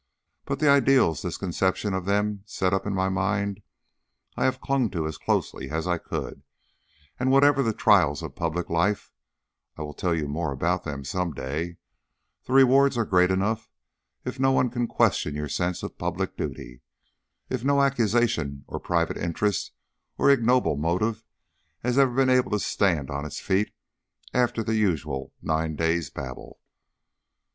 But the ideals this conception of them set up in my mind I have clung to as closely as I could, and whatever the trials of public life I will tell you more about them some day the rewards are great enough if no one can question your sense of public duty, if no accusation of private interest or ignoble motive has ever been able to stand on its feet after the usual nine days' babble."